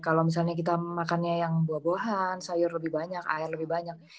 kalau misalnya kita makannya yang buah buahan sayur lebih banyak air lebih banyak